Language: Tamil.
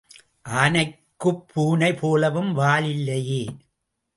ஆனைக்குப் பூனை போலவும் வால் இல்லையே!